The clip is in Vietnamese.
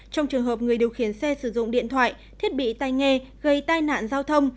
trong trường hợp người điều khiển xe sử dụng điện thoại thiết bị tay nghe gây tai nạn giao thông